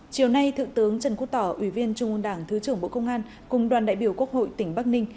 chiều nay thượng tướng trần quốc tỏ ủy viên trung ương đảng thứ trưởng bộ công an cùng đoàn đại biểu quốc hội tỉnh bắc ninh